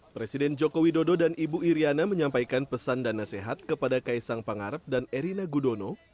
presiden joko widodo dan ibu iryana menyampaikan pesan dan nasihat kepada kaisang pangarep dan erina gudono